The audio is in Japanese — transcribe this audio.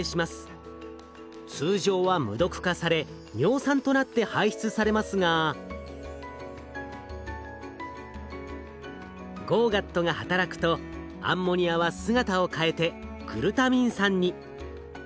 通常は無毒化され尿酸となって排出されますがＧＯＧＡＴが働くとアンモニアは姿を変えてグルタミン酸に。